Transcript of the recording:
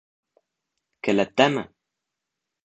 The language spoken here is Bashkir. — Келәттәме?